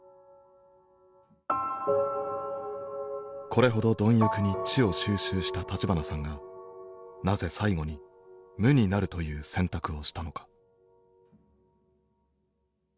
これほど貪欲に知を収集した立花さんがなぜ最後に無になるという選択をしたのか。